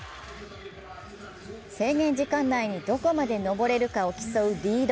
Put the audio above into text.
制限時間内にどこまで登れるかを競うリード。